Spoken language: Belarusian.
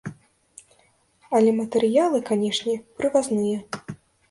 Але матэрыялы, канешне, прывазныя.